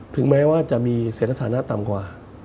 ถึงแม้ว่าจะมีเสร็จฐานะต่ำกว่า